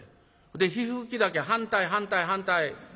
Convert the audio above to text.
で火吹き竹反対反対反対。